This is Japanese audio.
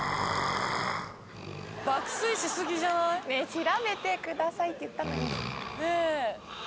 調べてくださいって言ったのに。